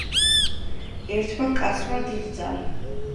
ერთმა კაცმა დიდძალი